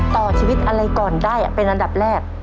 ต่อชีวิตอะไรก่อนได้เป็นอันดับแรก